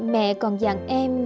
mẹ còn dặn em